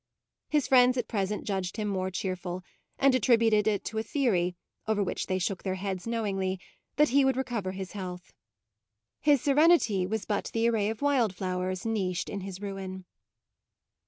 His friends at present judged him more cheerful, and attributed it to a theory, over which they shook their heads knowingly, that he would recover his health. His serenity was but the array of wild flowers niched in his ruin.